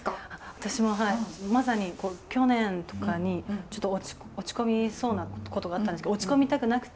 私もはいまさに去年とかにちょっと落ち込みそうなことがあったんですけど落ち込みたくなくて。